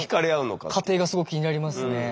過程がすごく気になりますね。